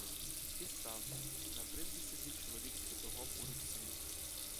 І справді, на призьбі сидів чоловік з батогом у руці.